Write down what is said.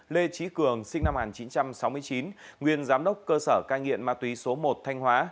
lê trí cường sinh năm một nghìn chín trăm sáu mươi chín nguyên giám đốc cơ sở cai nghiện ma túy số một thanh hóa